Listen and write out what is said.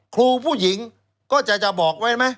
ครูผู้หญิงก็จะบอกไว้ไหม